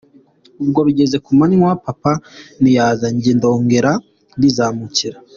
Ubwo bigeze ku manywa papa ntiyaza, njye ndongera ndizamukira.